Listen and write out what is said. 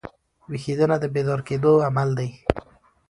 ویښېدنه د بیدار کېدو عمل دئ.